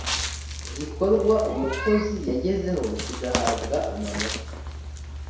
gikorwa umukozi yagezeho kigahabwa amanota